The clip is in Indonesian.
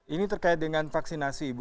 ini terkait dengan vaksinasi ibu